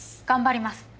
頑張ります。